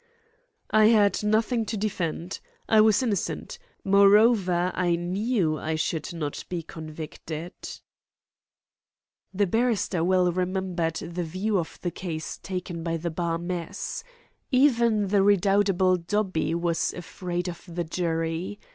"I had nothing to defend. I was innocent. Moreover, I knew I should not be convicted." The barrister well remembered the view of the case taken by the Bar mess. Even the redoubtable Dobbie was afraid of the jury.